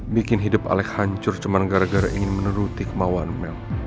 bikin hidup alex hancur cuman gara gara ingin menuruti kemauan mel